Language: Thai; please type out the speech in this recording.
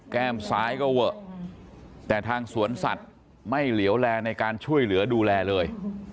แก้มซ้ายก็เวอะแต่ทางสวนสัตว์ไม่เหลวแลในการช่วยเหลือดูแลเลย